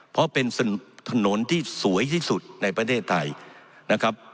เพราะเป็นถนนที่สวยที่สุดในประเทศไทยนะครับ